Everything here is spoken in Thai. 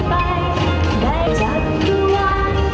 ไม่ได้ทิ้งออกไว้หรอก